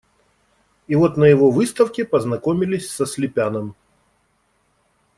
И вот на его выставке познакомились со Слепяном.